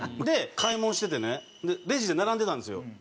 で買い物しててねレジで並んでたんですよ。